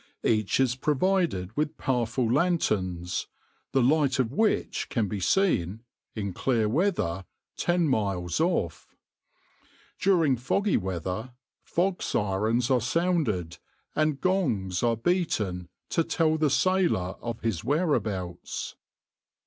Each is provided with powerful lanterns, the light of which can be seen, in clear weather, ten miles off. During foggy weather, fog sirens are sounded and gongs are beaten to tell the sailor of his whereabouts.